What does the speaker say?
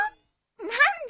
何で？